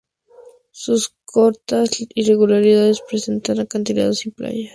Sus costas, irregulares, presentan acantilados y playas.